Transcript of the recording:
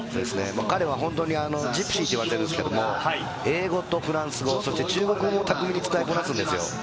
彼はジプシーと言われているんですが、英語とフランス語、中国語も巧みに使いこなすんですよ。